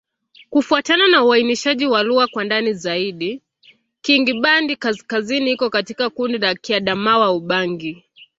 Kufuatana na uainishaji wa lugha kwa ndani zaidi, Kingbandi-Kaskazini iko katika kundi la Kiadamawa-Ubangi.